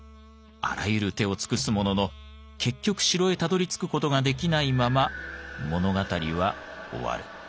あらゆる手を尽くすものの結局城へたどりつく事ができないまま物語は終わる。